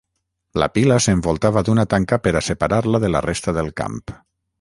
La pila s'envoltava d'una tanca per a separar-la de la resta del camp.